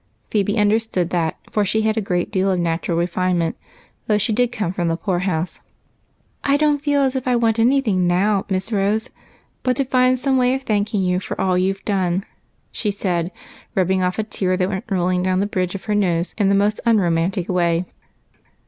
Phebe understood that, for she had a good deal of natural refinement, though she did come from the poor house. "I don't feel as if I wanted any thing now. Miss Rose, but to find some way of thanking you for all you've done," she said, rubbing off a tear that went rolling down the bridge of her nose in the most un romantic way.